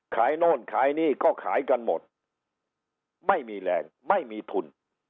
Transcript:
โน่นขายนี่ก็ขายกันหมดไม่มีแรงไม่มีทุน